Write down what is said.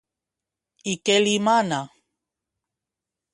I què li mana?